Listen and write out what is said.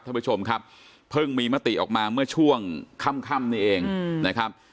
ท่านผู้ชมครับเพิ่งมีมติออกมาเมื่อช่วงค่ำนี่เองนะครับ